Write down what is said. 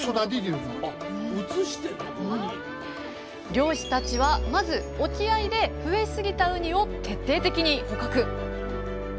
漁師たちはまず沖合で増えすぎたウニを徹底的に捕獲。